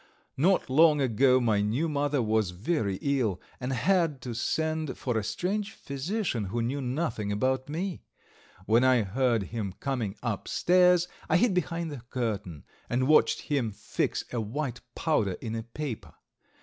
Not long ago my new mother was very ill and had to send for a strange physician, who knew nothing about me. When I heard him coming upstairs I hid behind the curtain and watched him fix a white powder in a paper.